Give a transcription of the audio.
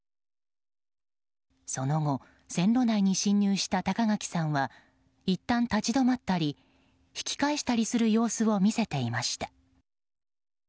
その後、線路内に進入した高垣さんはいったん立ち止まったり引き返したりする様子を見せていました。